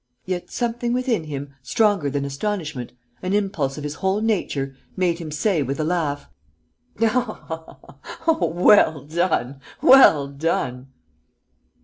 Yet something within him stronger than astonishment, an impulse of his whole nature, made him say, with a laugh: "Oh, well done, well done!"